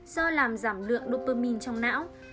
do làm giảm lượng dopamine trong não